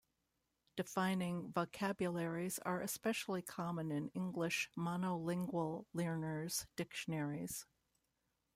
Defining vocabularies are especially common in English monolingual learner's dictionaries.